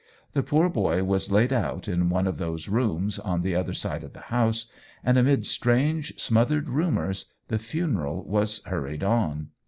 The poor boy was laid out in one of those rooms on the other side of the house, and amid strange, smothered rumors the funeral was hurried on.